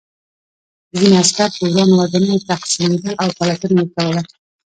ځینې عسکر په ورانو ودانیو تقسیمېدل او پلټنه یې کوله